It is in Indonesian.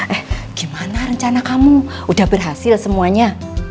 eh gimana rencana kamu udah berhasil semuanya